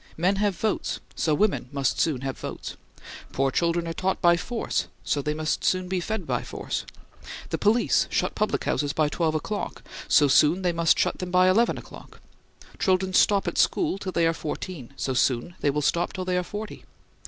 Men have votes, so women must soon have votes; poor children are taught by force, so they must soon be fed by force; the police shut public houses by twelve o'clock, so soon they must shut them by eleven o'clock; children stop at school till they are fourteen, so soon they will stop till they are forty.